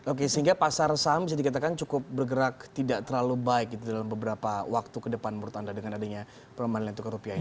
oke sehingga pasar saham bisa dikatakan cukup bergerak tidak terlalu baik gitu dalam beberapa waktu ke depan menurut anda dengan adanya perlemahan nilai tukar rupiah ini